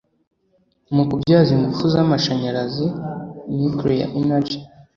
mu kubyaza ingufu z’amashanyarazi (nuclear energy)